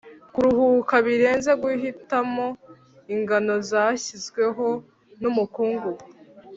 'kuruhuka birenze guhitamo ingano zashyizweho n'umukungugu,